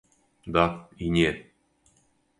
Да, и ње.